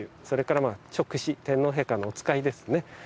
それから勅使天皇陛下の御使いですね